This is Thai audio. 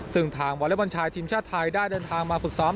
ซึ่งทางวอเล็กบอลชายทีมชาติไทยได้เดินทางมาฝึกซ้อม